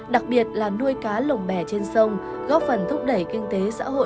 đặc biệt là nuôi cá lồng bè trên sông góp phần thúc đẩy kinh tế